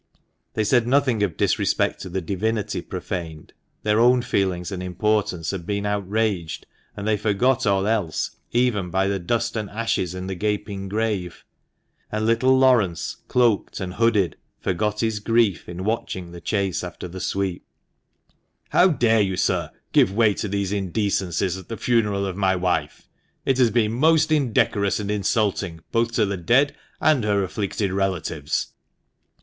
They said nothing of disrespect to the Divinity profaned ; their own feelings and importance had been outraged, and they forgot all else even by the dust and ashes in the gaping grave ; and little Laurence, cloaked and hooded, forgot his grief in watching the chase after the sweep. 62 THE MANCHESTER MAN. " How dare you, sir, give way to these indecencies at the funeral of my wife? It has been most indecorous and insulting, both to the dead and her afflicted relatives."